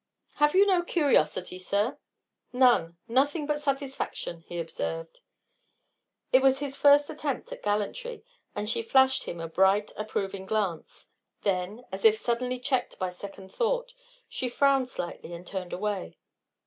"Have you no curiosity, sir?" "None! Nothing but satisfaction," he observed. It was his first attempt at gallantry, and she flashed him a bright, approving glance. Then, as if suddenly checked by second thought, she frowned slightly and turned away.